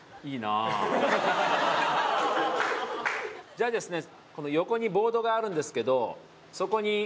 じゃあですね